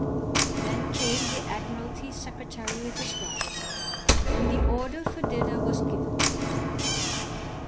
Then came the Admiralty Secretary with his wife, and the order for dinner was given.